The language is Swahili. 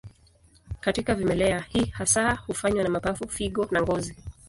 Katika vimelea, hii hasa hufanywa na mapafu, figo na ngozi.